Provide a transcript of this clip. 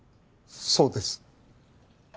そうです。